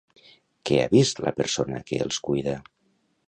Què ha vist la persona que els cuida?